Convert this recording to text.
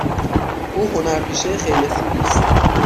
او هنرپیشه خیلی خوبی است.